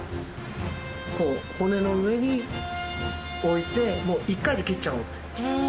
こう骨の上に置いてもう一回で切っちゃう。